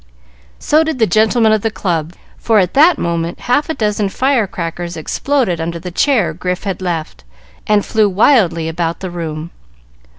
So did the gentlemen of the club, for at that moment half a dozen fire crackers exploded under the chair Grif had left, and flew wildly about the room.